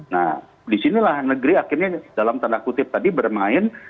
nah disinilah negeri akhirnya dalam tanda kutip tadi bermain